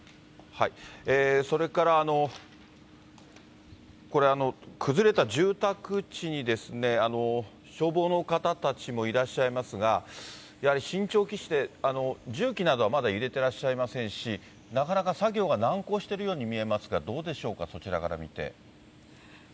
それから、崩れた住宅地に消防の方たちもいらっしゃいますが、やはり慎重を期して重機などはまだ入れてらっしゃいませんし、なかなか作業が難航しているように見えますが、どうでしょうか、そちらから見て。